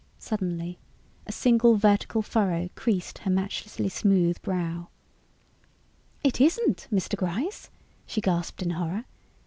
Suddenly a single vertical furrow creased her matchlessly smooth brow. "It isn't, Mr. Gryce!" she gasped in horror.